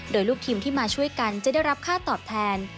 โดยลูกทีมที่มาช่วยกันจะได้รับค่าตอบแทน